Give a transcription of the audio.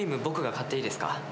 僕が買っていいですか？